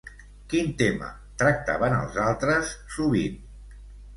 Quin tema tractaven els altres sovint?